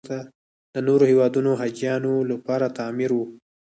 د نورو هېوادونو حاجیانو لپاره تعمیر و.